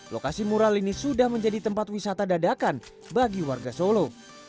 lokasi mural ini sudah menjadi tempat wisata dadakan bagi warga solo